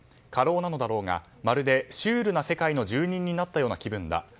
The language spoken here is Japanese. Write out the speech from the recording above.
過労なのだろうがまるでシュールな世界の住人になったような気分だ。